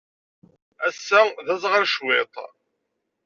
Ass-a, d aẓɣal cwiṭ.